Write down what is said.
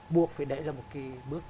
buộc phải đẩy ra một cái bước